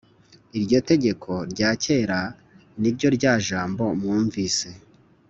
iryo tegeko rya kera ni ryo rya jambo mwumvise